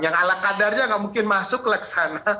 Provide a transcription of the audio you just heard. yang ala kadarnya gak mungkin masuk ke sana